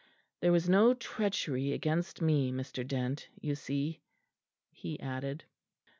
"There was no treachery against me, Mr. Dent, you see," he added.